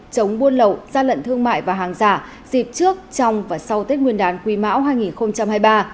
chống buôn lậu gian lận thương mại và hàng giả dịp trước trong và sau tết nguyên đán quý mão hai nghìn hai mươi ba